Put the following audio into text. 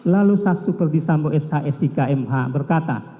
lalu saksi perdisambo s i k m h berkata